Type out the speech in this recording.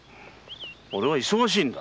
俺は忙しいんだ！